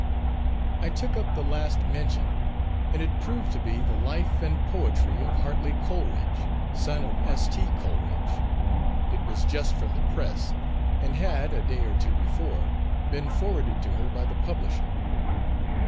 I took up the last mentioned, and it proved to be the "Life and Poetry of Hartly Coleridge," son of S.T. Coleridge. It was just from the press, and had, a day or two before, been forwarded to her by the publisher.